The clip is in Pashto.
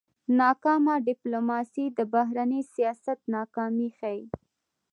ناکامه ډيپلوماسي د بهرني سیاست ناکامي ښيي.